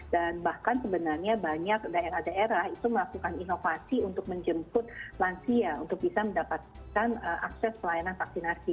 dan bahkan sebenarnya banyak daerah daerah itu melakukan inovasi untuk menjemput lansia untuk bisa mendapatkan akses pelayanan vaksinasi